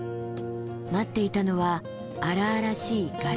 待っていたのは荒々しいガレ場。